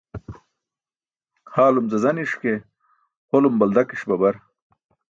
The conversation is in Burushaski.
Haalum zazaniṣ ke holum baldakiṣ babar.